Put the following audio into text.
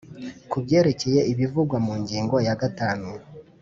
ku byerekeye ibivugwa mu ngingo ya gatanu